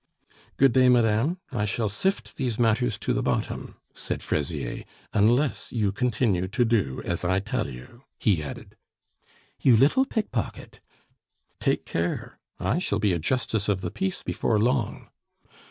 "Good day, madame; I shall sift these matters to the bottom," said Fraisier "unless you continue to do as I tell you" he added. "You little pickpocket! " "Take care! I shall be a justice of the peace before long."